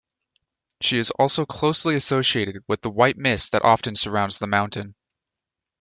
She is also closely associated with the white mist that often surrounds the mountain.